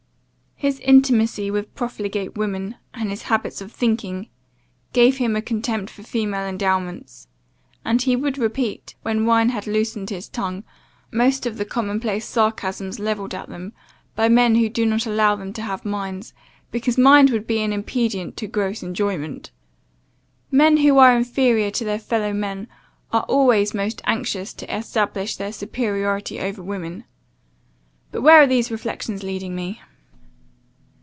His intimacy with profligate women, and his habits of thinking, gave him a contempt for female endowments; and he would repeat, when wine had loosed his tongue, most of the common place sarcasms levelled at them, by men who do not allow them to have minds, because mind would be an impediment to gross enjoyment. Men who are inferior to their fellow men, are always most anxious to establish their superiority over women. But where are these reflections leading me?